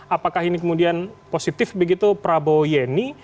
apakah ini kemudian positif begitu prabowo yeni